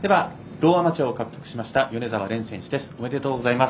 ローアマチュアを獲得しました米澤蓮選手です。